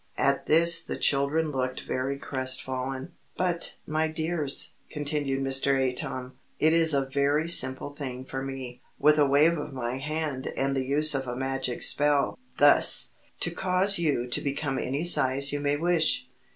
At this the children looked very crestfallen. "But, my dears," continued Mr. Atom, "it is a very simple thing for me with a wave of my hand and the use of a magic spell thus to cause you to become any size you may wish."